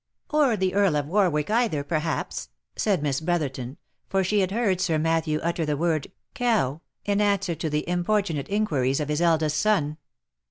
" Or the Earl of Warwick either, perhaps," said Miss Brotherton, for she had heard Sir Matthew utter the word " cow," in answer to the importunate inquiries of his eldest son.